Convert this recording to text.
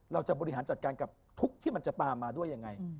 เราจะบริหารจัดการกับทุกข์ที่มันจะตามมาด้วยยังไง